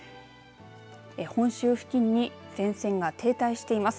本州付近に前線が停滞しています。